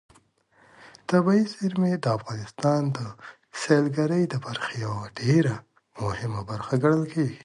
طبیعي زیرمې د افغانستان د سیلګرۍ د برخې یوه ډېره مهمه برخه ګڼل کېږي.